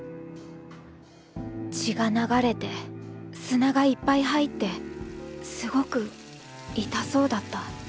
血が流れて砂がいっぱい入ってすごく痛そうだった。